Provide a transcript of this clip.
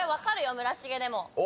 村重でも。